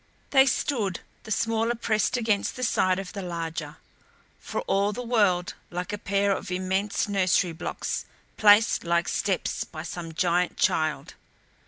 They stood, the smaller pressed against the side of the larger, for all the world like a pair of immense nursery blocks, placed like steps by some giant child.